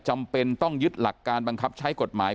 จำเป็นต้องยึดหลักการบังคับใช้กฎหมาย